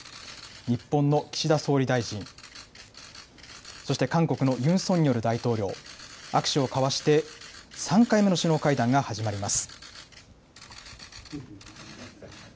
日本の岸田総理大臣、そして韓国のユン・ソンニョル大統領、握手を交わして、３回目の首脳会談が始まります。